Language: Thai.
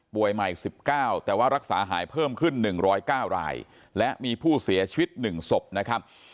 ใหม่๑๙แต่ว่ารักษาหายเพิ่มขึ้น๑๐๙รายและมีผู้เสียชีวิต๑ศพนะครับ